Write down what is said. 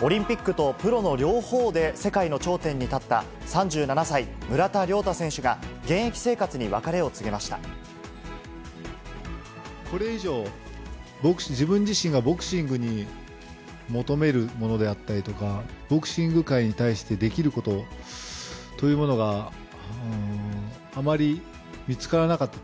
オリンピックとプロの両方で世界の頂点に立った３７歳、村田諒太選手が、これ以上、自分自身がボクシングに求めるものであったりとか、ボクシング界に対してできることというものが、あまり見つからなかった。